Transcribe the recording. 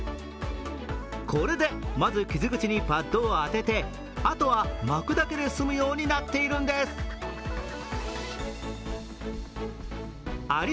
これでまず傷口にパッドを当ててあとは巻くだけで済むようになっているんですあり